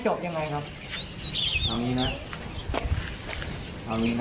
จะพาคุณผู้ชมไปดูบรรยากาศตอนที่เจ้าหน้าที่เข้าไปในบ้าน